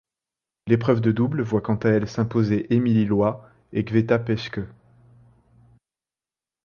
L'épreuve de double voit quant à elle s'imposer Émilie Loit et Květa Peschke.